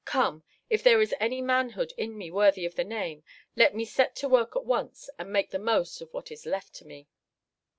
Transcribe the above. Come, if there is any manhood in me worthy of the name, let me set to work at once and make the most of what is left to me!"